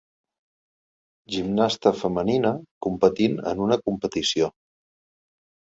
Gimnasta femenina competint en una competició.